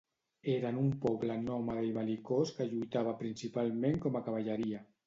Eren un poble nòmada i bel·licós que lluitava principalment com a cavalleria.